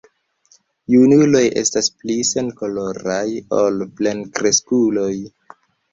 Junuloj estas pli senkoloraj ol plenkreskuloj.